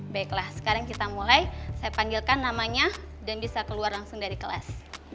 baiklah sekarang kita mulai saya panggilkan namanya dan bisa keluar langsung dari kelas